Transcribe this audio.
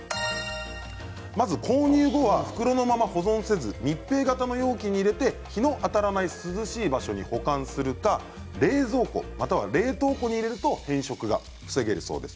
まず購入後は袋のまま保存せず密閉型の容器に入れて日の当たらない涼しい場所に保管するか冷蔵庫または冷凍庫に入れると変色が防げるそうです。